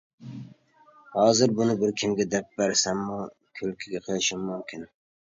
ھازىر بۇنى بىر كىمگە دەپ بەرسەممۇ كۈلكىگە قېلىشىم مۇمكىن.